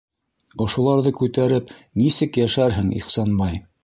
Ошоларҙы күтәреп, нисек йәшәрһең, Ихсанбай?!